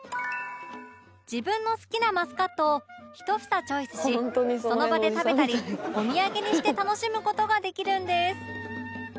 自分の好きなマスカットを一房チョイスしその場で食べたりお土産にして楽しむ事ができるんです